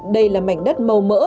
đây là mảnh đất màu mỡ